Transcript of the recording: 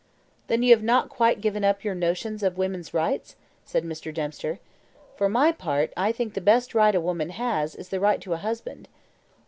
"Then you have not quite given up your notions of woman's rights?" said Mr. Dempster. "For my part, I think the best right a woman has is the right to a husband."